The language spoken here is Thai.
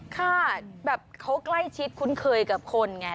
เค้ากล้ายชิดคุ้นเคยกับคนไง